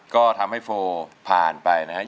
ก็ทำให้โฟล์ผ่านไปนะฮะ